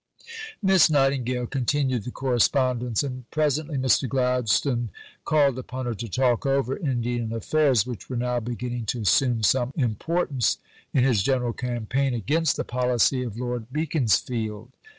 Miss Nightingale continued the correspondence, and presently Mr. Gladstone called upon her to talk over Indian affairs, which were now beginning to assume some importance in his general campaign against the policy of Lord Beaconsfield.